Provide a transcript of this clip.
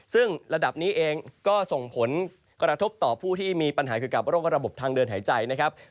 ซึ่งระดับนี้เองก็ส่งผลกระทบต่อผู้ที่มีปัญหาเกี่ยวกับโรคระบบทางเดินหายใจนะครับ